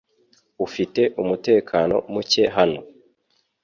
Ufite umutekano muke hano .